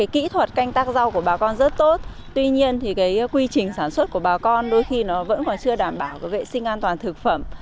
kỹ thuật canh tác rau của bà con rất tốt tuy nhiên quy trình sản xuất của bà con đôi khi vẫn chưa đảm bảo vệ sinh an toàn thực phẩm